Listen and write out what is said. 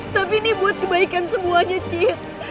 tapi ini buat kebaikan semuanya cip